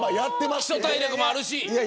基礎体力もあるし。